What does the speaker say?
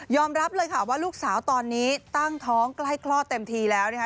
รับเลยค่ะว่าลูกสาวตอนนี้ตั้งท้องใกล้คลอดเต็มทีแล้วนะคะ